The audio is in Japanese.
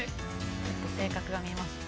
性格が見えますね。